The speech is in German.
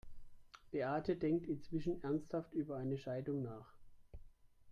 Beate denkt inzwischen ernsthaft über eine Scheidung nach.